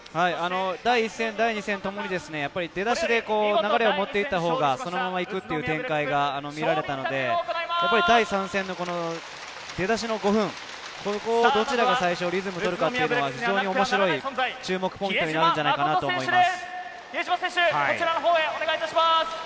第１戦、第２戦ともに出だしで流れをもっていった方がそのまま行くという展開が見られたので、第３戦の出だしの５分、ここをどちらが最初にリズムを取られるか面白い注目ポイントになるんじゃないかなと思います。